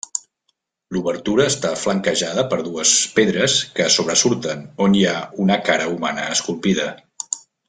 L'obertura està flanquejada per dues pedres que sobresurten, on hi ha una cara humana esculpida.